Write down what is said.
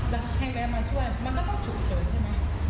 แล้วให้แวะมาช่วยมันก็ต้องฉุกเฉินใช่ไหม